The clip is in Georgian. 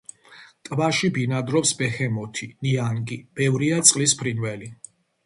ტბაში ბინადრობს ბეჰემოთი, ნიანგი, ბევრია წყლის ფრინველი.